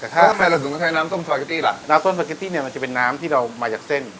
แต่ถ้าทำไมเราถึงต้องใช้น้ำส้มสปาเกตตี้ล่ะน้ำส้มสปาเกตตี้เนี่ยมันจะเป็นน้ำที่เรามาจากเส้น